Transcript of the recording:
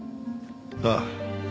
ああ。